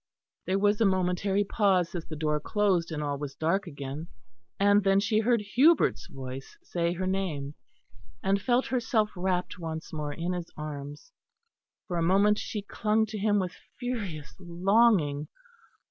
There was a momentary pause as the door closed and all was dark again; and then she heard Hubert's voice say her name; and felt herself wrapped once more in his arms. For a moment she clung to him with furious longing.